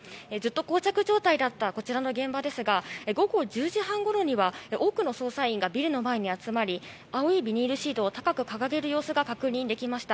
膠着状態だった現場ですが午後１０時半ごろには多くの捜査員がビルの前に集まり青いビニールシートを高く掲げる様子が確認できました。